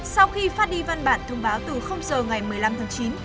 sau khi phát đi văn bản thông báo từ giờ ngày một mươi năm tháng chín